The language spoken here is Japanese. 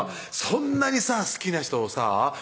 そんなにさ好きな人をさ